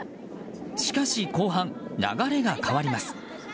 しかし後半、流れが変わります。